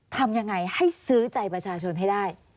ทำยังไงให้ซื้อใจประชาชนให้ได้